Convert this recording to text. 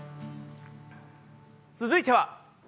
続いては。